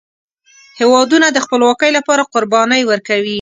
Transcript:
هیوادونه د خپلواکۍ لپاره قربانۍ ورکوي.